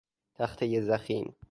تختهی ضخیم